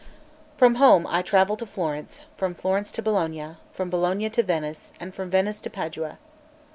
1 From home I travelled to Florence, from Florence to Bologna, from Bologna to Venice, and from Venice to Padua.